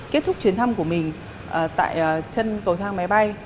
kết thúc chuyến thăm của mình tại chân cầu thang máy bay